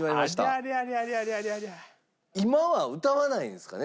今は歌わないんですかね